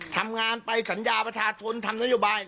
ทำงานไปสัญญาประชาชนทำนโยบาย